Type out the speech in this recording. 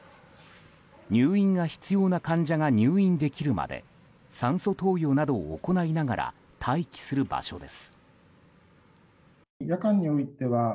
入院が必要な患者が入院できるまで酸素投与などを行いながら待機する場所です。